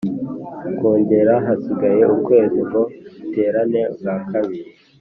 Kongere hasigaye ukwezi ngo iterane bwa kabiri